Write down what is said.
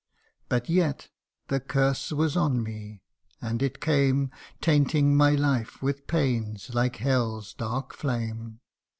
But yet the curse was on me ; and it came Tainting my life with pains like hell's dark flame.